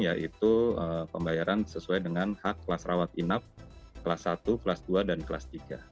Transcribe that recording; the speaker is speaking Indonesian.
yaitu pembayaran sesuai dengan hak kelas rawat inap kelas satu kelas dua dan kelas tiga